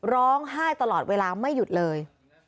ร้องไห้ตลอดเวลาไม่หยุดเลย